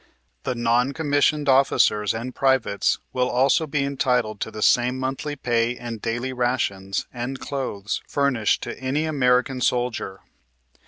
The non commissioned officers and privates will also be entitled to the same monthly pay and daily rations, and clothes, furnished to any American soldier.